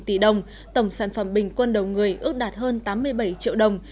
một trăm linh một tỷ đồng tổng sản phẩm bình quân đầu người ước đạt hơn tám mươi bảy triệu đồng